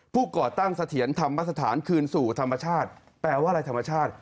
ก่อตั้งเสถียรธรรมสถานคืนสู่ธรรมชาติแปลว่าอะไรธรรมชาติ